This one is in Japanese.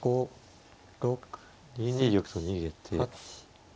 ２二玉と逃げて。